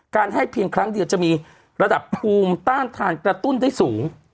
ให้เพียงครั้งเดียวจะมีระดับภูมิต้านทานกระตุ้นได้สูง